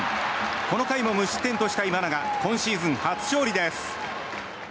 この回も無失点とした今永今シーズン初勝利です。